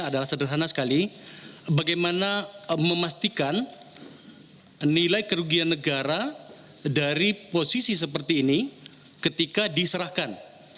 adalah sederhana sekali bagaimana memastikan nilai kerugian negara dari posisi seperti ini ketika diserahkan